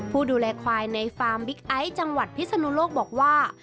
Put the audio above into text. ผู้ดูแลควายในฟาร์มบิ๊กไอซ์จังหวัดพิศนุโลกบอกว่า